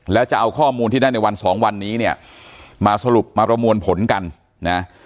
แล้วจะเอาข้อมูลที่ได้ในวันสองวันนี้เนี่ยมาสรุปมาประมวลผลกันนะ